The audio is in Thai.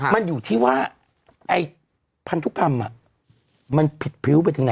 มันอยู่ที่ว่าไอ้พันธุกรรมมันผิดพริ้วไปถึงไหน